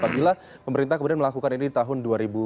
apabila pemerintah kemudian melakukan ini di tahun dua ribu dua puluh